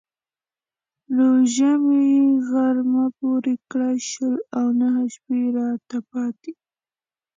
روژه مې غرم پر کړه شل او نهه شپې راته پاتې.